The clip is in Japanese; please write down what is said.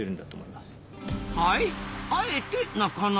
はい。